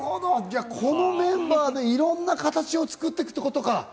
このメンバーでいろんな形を作っていくってことか。